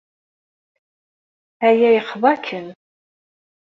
Aya yexḍa-kem.